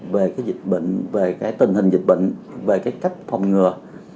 về cái dịch bệnh về cái tình hình dịch bệnh về cái cách phòng ngừa